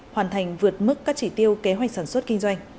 hoàn thành vượt mức các chỉ tiêu kế hoạch sản xuất kinh doanh